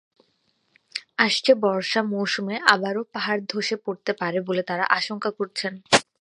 আসছে বর্ষা মৌসুমে আবারও পাহাড় ধসে পড়তে পারে বলে তাঁরা আশঙ্কা করছেন।